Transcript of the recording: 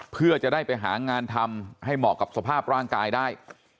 เพื่อจะได้ไปหางานทำให้เหมาะกับสภาพร่างกายได้